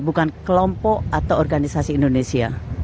bukan kelompok atau organisasi indonesia